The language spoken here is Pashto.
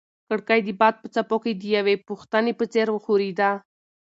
کړکۍ د باد په څپو کې د یوې پوښتنې په څېر ښورېده.